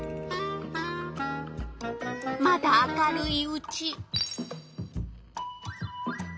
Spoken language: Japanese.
まだ明るいうち。